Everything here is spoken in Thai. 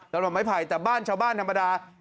ดอกไม้ไผ่แต่บ้านชาวบ้านธรรมดา